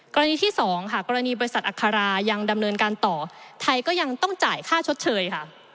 กรณีที่๒ค่ะกรณีบริษัทอัครายังดำเนินการต่อไทยก็ยังต้องจ่ายค่าชดเชยค่ะ